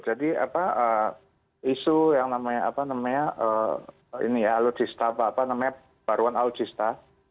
jadi apa isu yang namanya apa namanya ini ya alutsista apa apa namanya baruan alutsista